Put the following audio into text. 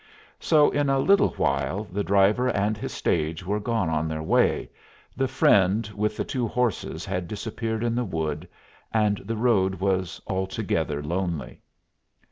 So in a little while the driver and his stage were gone on their way, the friend with the two horses had disappeared in the wood, and the road was altogether lonely.